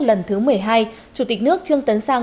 lần thứ một mươi hai chủ tịch nước trương tấn sang